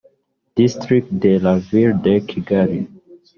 districts de la ville de kigali